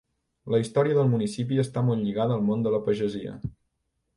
La història del municipi està molt lligada al món de la pagesia.